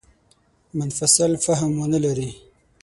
منفصل فهم ونه لري.